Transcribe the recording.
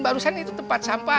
barusan itu tempat sampah